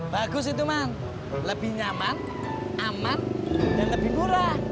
bagus itu man lebih nyaman aman dan lebih murah